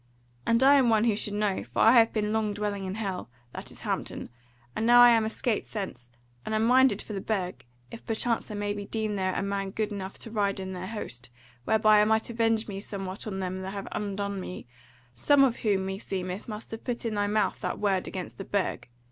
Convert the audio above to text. And I am one who should know, for I have been long dwelling in Hell, that is Hampton; and now am I escaped thence, and am minded for the Burg, if perchance I may be deemed there a man good enough to ride in their host, whereby I might avenge me somewhat on them that have undone me: some of whom meseemeth must have put in thy mouth that word against the Burg.